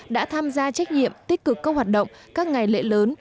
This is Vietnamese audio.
đã tham gia trách nhiệm tích cực các hoạt động các ngày lễ lớn